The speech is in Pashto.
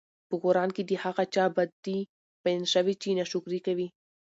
په قران کي د هغه چا بدي بيان شوي چې ناشکري کوي